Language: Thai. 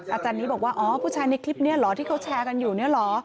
อาจารย์นี้บอกว่าอ๋อผู้ชายในคลิปนี้เหรอที่เขาแชร์กันอยู่เนี่ยเหรอ